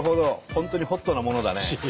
本当にホットなものだね。